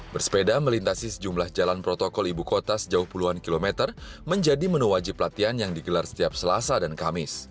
bersepeda melintasi sejumlah jalan protokol ibu kota sejauh puluhan kilometer menjadi menu wajib latihan yang digelar setiap selasa dan kamis